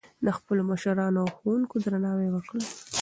د خپلو مشرانو او ښوونکو درناوی وکړئ.